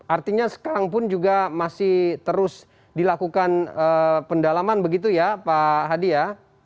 artinya sekarang pun juga masih terus dilakukan pendalaman begitu ya pak hadi ya